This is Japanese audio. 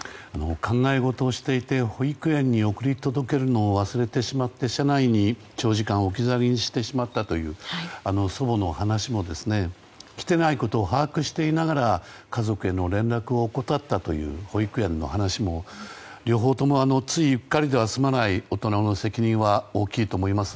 考えごとをしていて保育園に送り届けるのを忘れてしまって車内に長時間置き去りにしてしまったという祖母の話も来てないことを把握していながら家族への連絡を怠ったという保育園の話も両方ともついうっかりでは済まない大人の責任は大きいと思います。